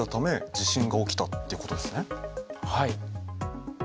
はい。